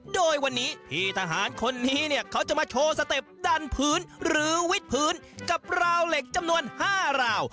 โดยวันนี้พี่ทหารคนนี้เนี่ยเขาจะมาโชว์สเต็ปดันพื้นหรือวิทพื้นกับราวเหล็กจำนวน๕ราว